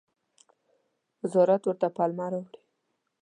وزارت ورته پلمه راوړي.